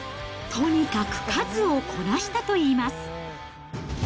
とにかく数をこなしたといいます。